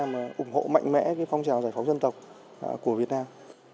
mà ủng hộ mạnh mẽ cái phong trào giải phóng dân tộc của việt nam